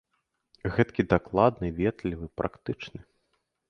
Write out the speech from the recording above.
Гэткі дакладны, ветлівы, практычны!